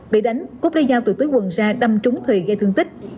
bị đánh cúc đeo dao từ túi quần ra đâm trúng thùy gây thương tích